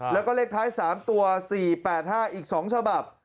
แล้วก็เลขถา๓๘๕อีก๒ฉบับ